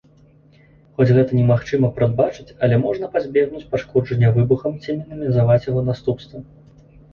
Хоць гэта немагчыма прадбачыць, але можна пазбегнуць пашкоджання выбухам ці мінімізаваць яго наступствы.